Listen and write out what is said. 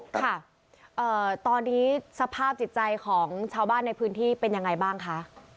ค่ะตอนนี้สภาพจิตใจของชาวบ้านในพื้นที่เป็นยังไงบ้างคะ